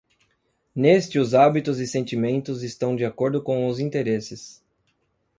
Neste os hábitos e sentimentos estão de acordo com os interesses.